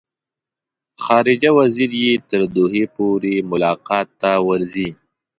خارجه وزیر یې تر دوحې پورې ملاقات ته ورځي.